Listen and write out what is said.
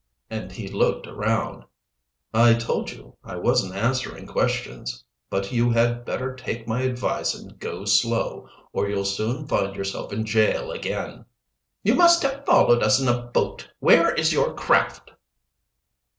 And he looked around. "I told you I wasn't answering questions. But you had better take my advice and go slow, or you'll soon find yourself in jail again." "You must have followed us in a boat. Where is your craft?"